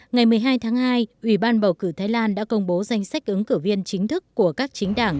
ngày một mươi hai tháng hai ủy ban bầu cử thái lan đã công bố danh sách ứng cử viên chính thức của các chính đảng